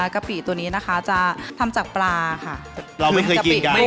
กะปิตัวนี้นะคะจะทำจากปลาค่ะ